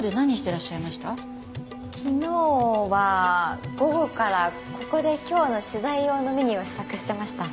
昨日は午後からここで今日の取材用のメニューを試作してました。